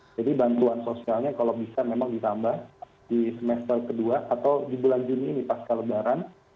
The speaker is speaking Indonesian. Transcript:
jadi bantuan sosialnya kalau bisa memang ditambah di semester kedua atau di bulan juni ini pas kelebaran